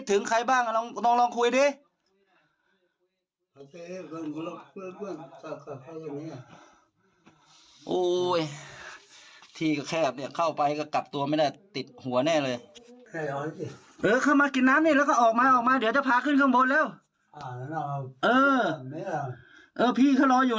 เออพี่เขารออยู่นะพี่รออยู่